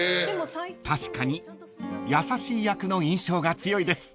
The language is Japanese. ［確かに優しい役の印象が強いです］